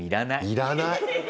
要らない。